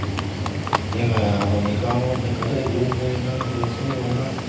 今やあの三河もんに勝てる軍勢なんぞそうはおらん。